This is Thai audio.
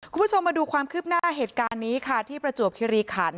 คุณผู้ชมมาดูความคืบหน้าเหตุการณ์นี้ค่ะที่ประจวบคิริขัน